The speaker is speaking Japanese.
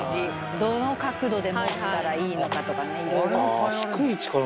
どの角度で持ったらいいのかとかいろいろ。